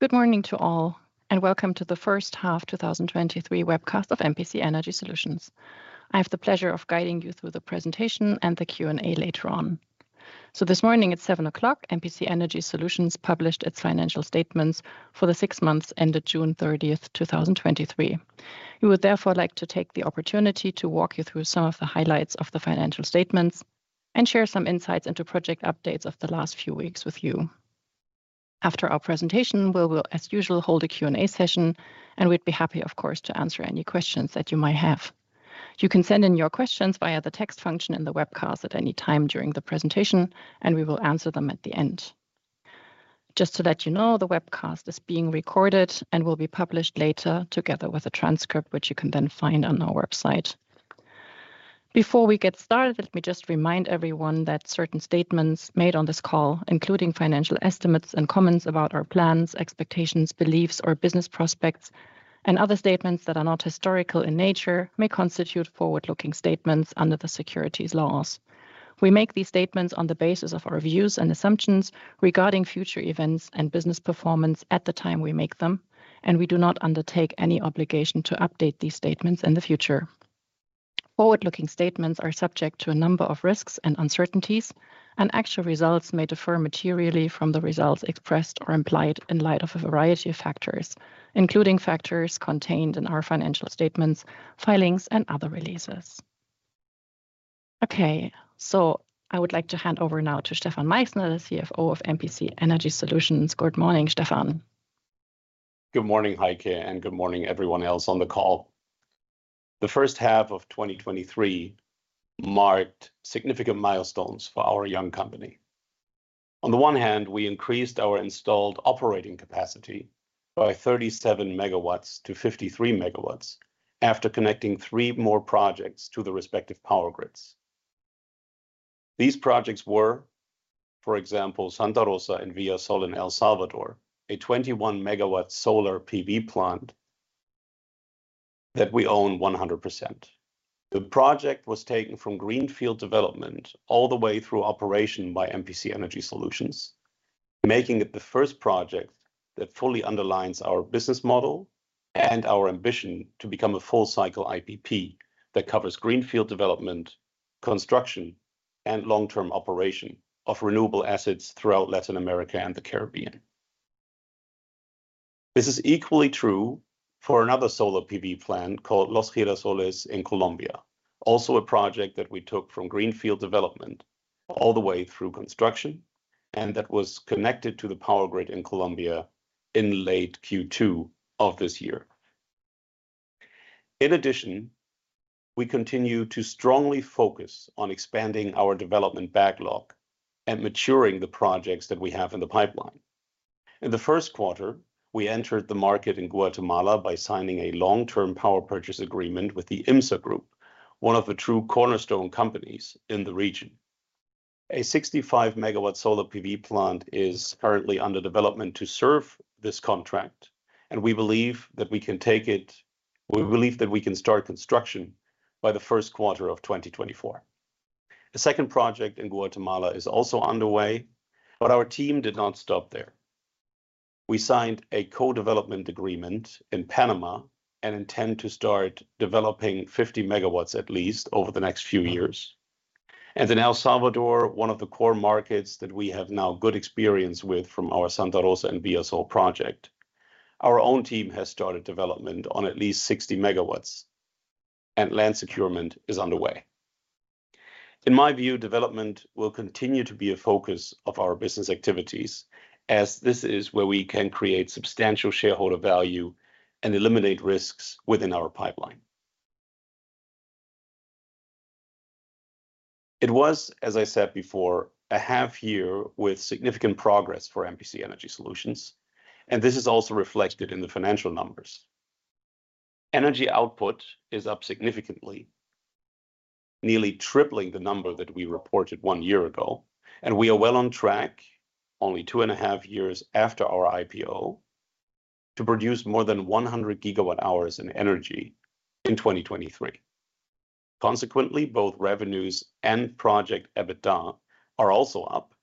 Good morning to all, and welcome to the first half 2023 webcast of MPC Energy Solutions. I have the pleasure of guiding you through the presentation and the Q&A later on. This morning at 7:00 A.M., MPC Energy Solutions published its financial statements for the six months ended June 30th, 2023. We would therefore like to take the opportunity to walk you through some of the highlights of the financial statements and share some insights into project updates of the last few weeks with you. After our presentation, we will, as usual, hold a Q&A session, and we'd be happy, of course, to answer any questions that you might have. You can send in your questions via the text function in the webcast at any time during the presentation, and we will answer them at the end. Just to let you know, the webcast is being recorded and will be published later, together with a transcript, which you can then find on our website. Before we get started, let me just remind everyone that certain statements made on this call, including financial estimates and comments about our plans, expectations, beliefs, or business prospects, and other statements that are not historical in nature, may constitute forward-looking statements under the securities laws. We make these statements on the basis of our views and assumptions regarding future events and business performance at the time we make them, and we do not undertake any obligation to update these statements in the future. Forward-looking statements are subject to a number of risks and uncertainties, and actual results may differ materially from the results expressed or implied in light of a variety of factors, including factors contained in our financial statements, filings, and other releases. I would like to hand over now to Stefan Meichsner, the CFO of MPC Energy Solutions. Good morning, Stefan. Good morning, Heike, good morning, everyone else on the call. The first half of 2023 marked significant milestones for our young company. On the one hand, we increased our installed operating capacity by 37 MW to 53 MW after connecting 3 more projects to the respective power grids. These projects were, for example, Santa Rosa and Villa Sol in El Salvador, a 21 MW Solar PV plant that we own 100%. The project was taken from greenfield development all the way through operation by MPC Energy Solutions, making it the first project that fully underlines our business model and our ambition to become a full-cycle IPP that covers greenfield development, construction, and long-term operation of renewable assets throughout Latin America and the Caribbean. This is equally true for another Solar PV plant called Los Girasoles in Colombia, also a project that we took from greenfield development all the way through construction, and that was connected to the power grid in Colombia in late Q2 of this year. In addition, we continue to strongly focus on expanding our development backlog and maturing the projects that we have in the pipeline. In the first quarter, we entered the market in Guatemala by signing a long-term power purchase agreement with the IMSA Group, one of the true cornerstone companies in the region. A 65-megawatt Solar PV plant is currently under development to serve this contract. We believe that we can start construction by the first quarter of 2024. The second project in Guatemala is also underway. Our team did not stop there. We signed a co-development agreement in Panama and intend to start developing 50 megawatts at least over the next few years. In El Salvador, one of the core markets that we have now good experience with from our Santa Rosa and Villa Sol project, our own team has started development on at least 60 megawatts, and land securement is underway. In my view, development will continue to be a focus of our business activities, as this is where we can create substantial shareholder value and eliminate risks within our pipeline. It was, as I said before, a half year with significant progress for MPC Energy Solutions, and this is also reflected in the financial numbers. Energy output is up significantly, nearly tripling the number that we reported one year ago. We are well on track, only two and a half years after our IPO, to produce more than 100 gigawatt hours in energy in 2023. Consequently, both revenues and project EBITDA are also up.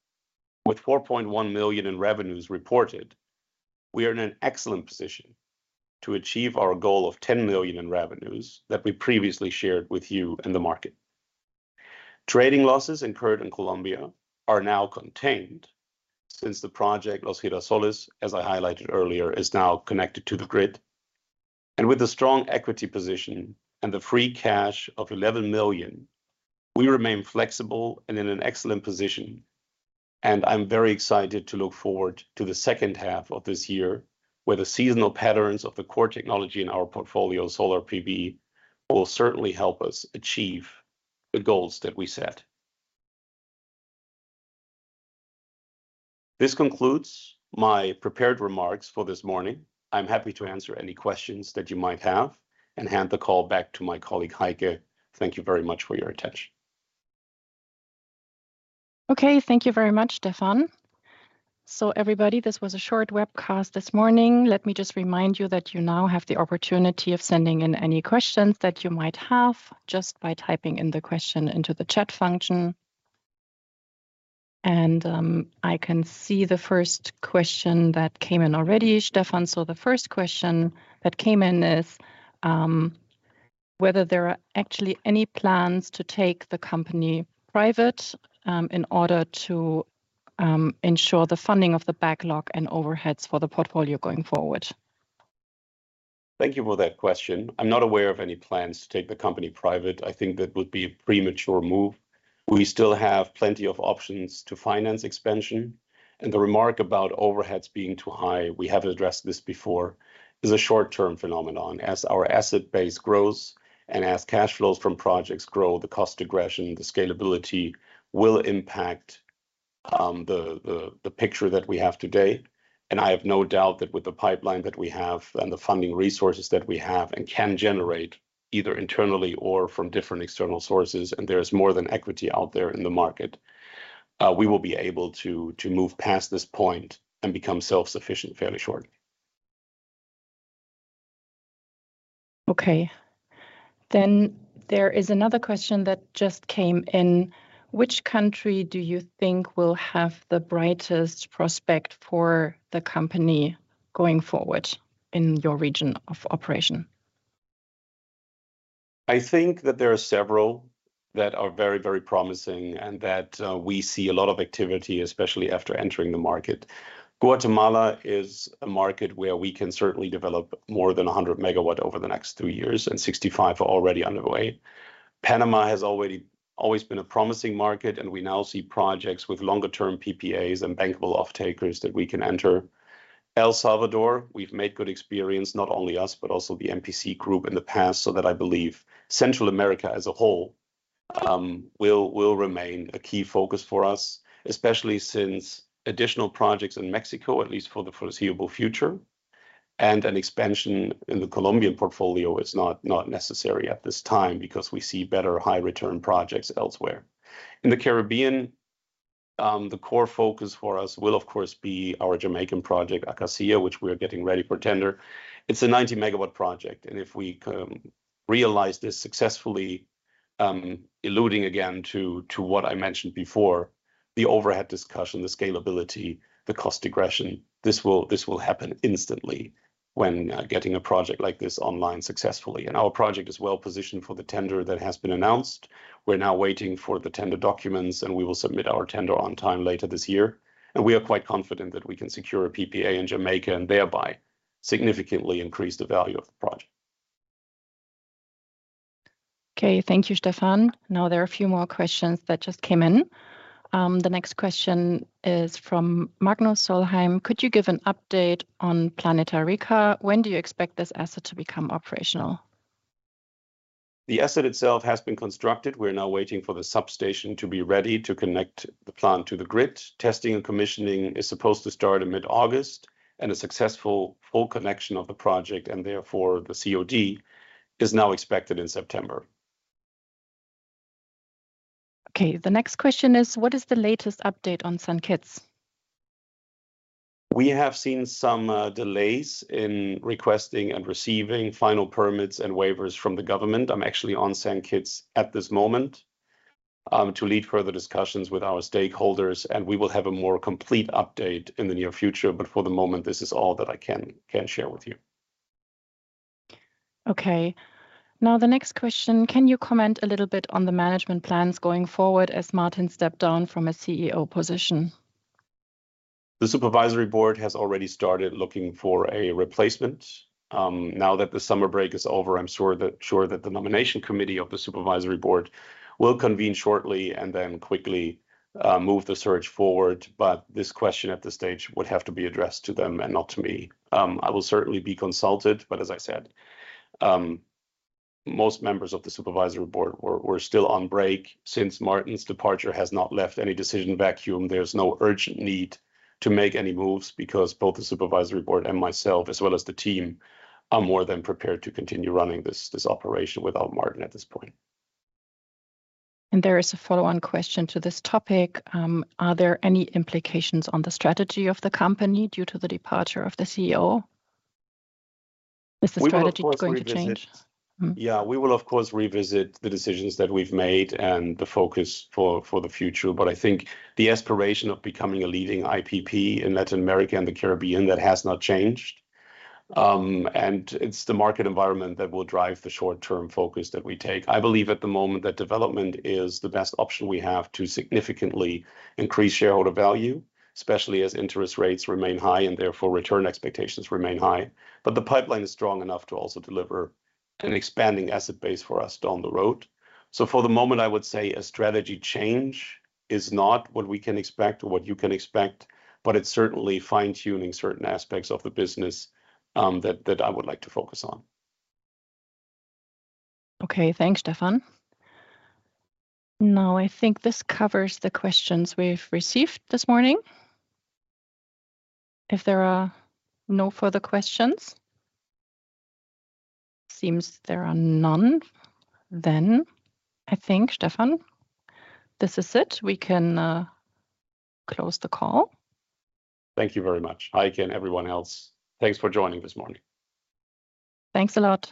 With $4.1 million in revenues reported, we are in an excellent position to achieve our goal of $10 million in revenues that we previously shared with you in the market. Trading losses incurred in Colombia are now contained since the project, Los Girasoles, as I highlighted earlier, is now connected to the grid. With a strong equity position and the free cash of $11 million, we remain flexible and in an excellent position, and I'm very excited to look forward to the second half of this year, where the seasonal patterns of the core technology in our portfolio, solar PV, will certainly help us achieve the goals that we set. This concludes my prepared remarks for this morning. I'm happy to answer any questions that you might have and hand the call back to my colleague, Heike. Thank you very much for your attention. Okay, thank you very much, Stefan. Everybody, this was a short webcast this morning. Let me just remind you that you now have the opportunity of sending in any questions that you might have, just by typing in the question into the chat function. I can see the first question that came in already, Stefan. The first question that came in is, whether there are actually any plans to take the company private, in order to, ensure the funding of the backlog and overheads for the portfolio going forward? Thank you for that question. I'm not aware of any plans to take the company private. I think that would be a premature move. We still have plenty of options to finance expansion. The remark about overheads being too high, we have addressed this before, is a short-term phenomenon. As our asset base grows and as cash flows from projects grow, the aggressive pricing, the scalability will impact, the, the, the picture that we have today. I have no doubt that with the pipeline that we have and the funding resources that we have and can generate, either internally or from different external sources, and there is more than equity out there in the market, we will be able to, to move past this point and become self-sufficient fairly shortly. Okay. there is another question that just came in: Which country do you think will have the brightest prospect for the company going forward in your region of operation? I think that there are several that are very, very promising, and that we see a lot of activity, especially after entering the market. Guatemala is a market where we can certainly develop more than 100 MW over the next two years, and 65 are already underway. Panama has already always been a promising market, and we now see projects with longer-term PPAs and bankable off-takers that we can enter. El Salvador, we've made good experience, not only us, but also the MPC group in the past, so that I believe Central America as a whole will, will remain a key focus for us, especially since additional projects in Mexico, at least for the foreseeable future, and an expansion in the Colombian portfolio is not, not necessary at this time because we see better high-return projects elsewhere. In the Caribbean, the core focus for us will, of course, be our Jamaican project, Acacia, which we are getting ready for tender. It's a 90-megawatt project, and if we realize this successfully, alluding again to, to what I mentioned before, the overhead discussion, the scalability, the cost aggression, this will, this will happen instantly when getting a project like this online successfully. Our project is well-positioned for the tender that has been announced. We're now waiting for the tender documents, and we will submit our tender on time later this year, and we are quite confident that we can secure a PPA in Jamaica and thereby significantly increase the value of the project. Okay, thank you, Stefan. Now, there are a few more questions that just came in. The next question is from Magnus Solheim: Could you give an update on Planeta Rica? When do you expect this asset to become operational? The asset itself has been constructed. We're now waiting for the substation to be ready to connect the plant to the grid. Testing and commissioning is supposed to start in mid-August, and a successful full connection of the project, and therefore the COD, is now expected in September. Okay, the next question is: What is the latest update on St. Kitts? We have seen some delays in requesting and receiving final permits and waivers from the government. I'm actually on St. Kitts at this moment to lead further discussions with our stakeholders, and we will have a more complete update in the near future, but for the moment, this is all that I can, can share with you. Okay. The next question: Can you comment a little bit on the management plans going forward as Martin stepped down from a CEO position? The supervisory board has already started looking for a replacement. Now that the summer break is over, I'm sure that the nomination committee of the supervisory board will convene shortly and then quickly move the search forward. This question at this stage would have to be addressed to them and not to me. I will certainly be consulted, but as I said, most members of the supervisory board were still on break. Since Martin's departure has not left any decision vacuum, there's no urgent need to make any moves because both the supervisory board and myself, as well as the team, are more than prepared to continue running this operation without Martin at this point. There is a follow-on question to this topic. Are there any implications on the strategy of the company due to the departure of the CEO? Is the strategy- We will, of course, revisit-... going to change? Mm. Yeah, we will of course, revisit the decisions that we've made and the focus for, for the future. I think the aspiration of becoming a leading IPP in Latin America and the Caribbean, that has not changed. It's the market environment that will drive the short-term focus that we take. I believe at the moment that development is the best option we have to significantly increase shareholder value, especially as interest rates remain high and therefore return expectations remain high. The pipeline is strong enough to also deliver an expanding asset base for us down the road. For the moment, I would say a strategy change is not what we can expect or what you can expect, but it's certainly fine-tuning certain aspects of the business, that, that I would like to focus on. Okay. Thanks, Stefan. I think this covers the questions we've received this morning. If there are no further questions. Seems there are none. I think, Stefan, this is it. We can close the call. Thank you very much. Heike and everyone else, thanks for joining this morning. Thanks a lot.